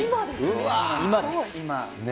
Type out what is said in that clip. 今ですね。